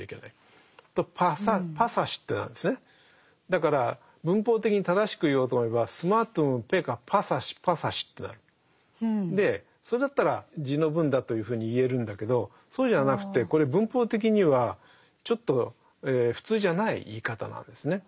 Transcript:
だから文法的に正しく言おうと思えばでそれだったら地の文だというふうに言えるんだけどそうじゃなくてこれ文法的にはちょっと普通じゃない言い方なんですね。